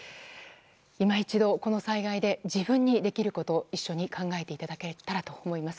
今一度この災害で自分にできること一緒に考えていただけたらと思います。